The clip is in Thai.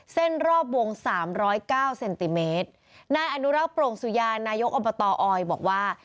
เส้นรอบวงสามร้อยเก้าเซนติเมตรนายอนุรักษ์โปร่งสุยานายกอบตออยบอกว่า